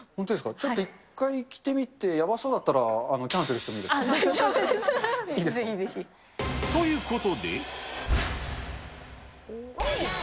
ちょっと一回着てみて、やばそうだったらキャンセルしてもいいですか？ということで。